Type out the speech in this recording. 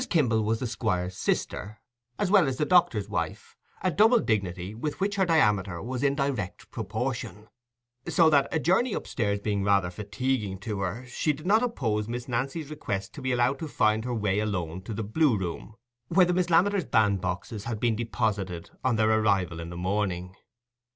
Kimble was the Squire's sister, as well as the doctor's wife—a double dignity, with which her diameter was in direct proportion; so that, a journey up stairs being rather fatiguing to her, she did not oppose Miss Nancy's request to be allowed to find her way alone to the Blue Room, where the Miss Lammeters' bandboxes had been deposited on their arrival in the morning.